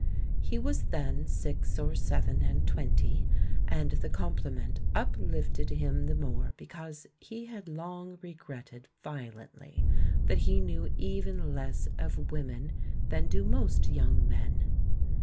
He was then six or seven and twenty, and the compliment uplifted him the more because he had long regretted violently that he knew even less of women than do most young men.